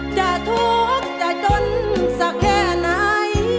จะทุกข์จะจนสักแค่ไหน